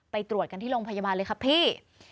ไปตรวจกันที่โรงพยาบาลเลยครับพี่